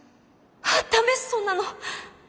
ダメそんなの。